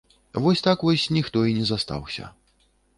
Вось так вось ніхто і не застаўся.